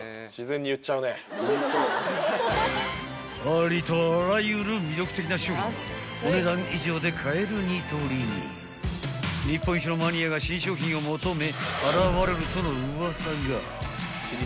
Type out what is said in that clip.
［ありとあらゆる魅力的な商品がお値段以上で買えるニトリに日本一のマニアが新商品を求め現れるとのウワサが］